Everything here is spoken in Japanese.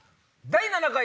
第７回。